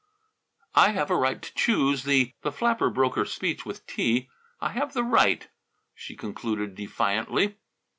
"I have a right to choose the " The flapper broke her speech with tea. "I have the right," she concluded defiantly.